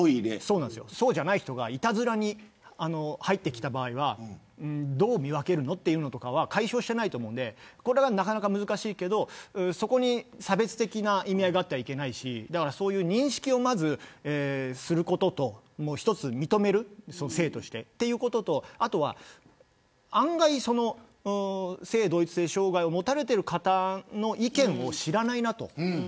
そうじゃない人がいたずらに入ってきた場合はどう見分けるのとか解消していないと思うのでなかなか難しいけどそこに差別的な意味合いがあってはいけないしそういう認識をまずすることと性として認めるということとあとは案外性同一性障害を持たれている方の意見を知らないなと。